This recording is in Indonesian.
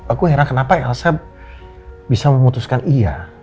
aku hera kenapa elsa bisa memutuskan iya